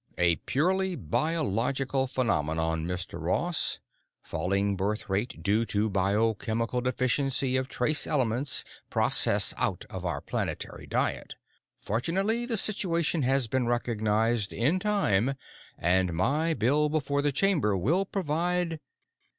"A purely biological phenomenon, Mr. Ross. Falling birth rate due to biochemical deficiency of trace elements processed out of our planetary diet. Fortunately the situation has been recognized in time and my bill before the Chamber will provide...."